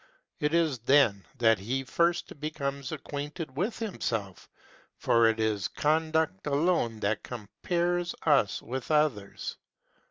It is then that he first becomes acquaint3d with himself, for it is conduct alone that compares us with others.